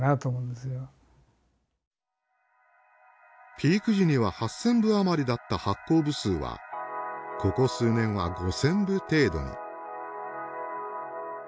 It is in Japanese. ピーク時には８，０００部余りだった発行部数はここ数年は５，０００部程度に。